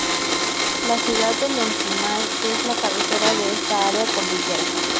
La ciudad de Lonquimay es la cabecera de esta área cordillerana.